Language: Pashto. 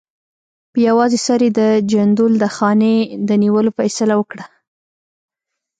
په یوازې سر یې د جندول د خانۍ د نیولو فیصله وکړه.